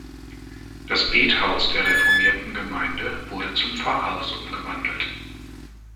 Das Bethaus der reformierten Gemeinde wurde zum Pfarrhaus umgewandelt.